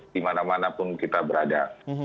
di mana mana pun kita berada